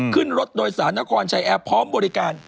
ขึ้นรถโดยสารนครชายแอร์พร้อมบริการ